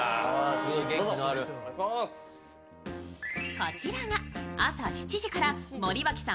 こちらが朝７時から森脇さん